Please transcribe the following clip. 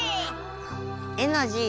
エナジー？